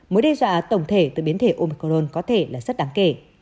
mối đe dọa tổng thể từ biến thể omicron có thể là rất đáng kể